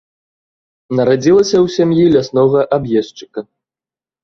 Нарадзілася ў сям'і ляснога аб'ездчыка.